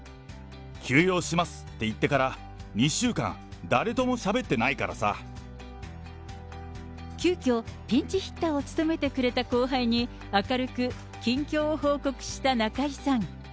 休養しますって言ってから２週間、急きょ、ピンチヒッターを務めてくれた後輩に、明るく近況を報告した中居さん。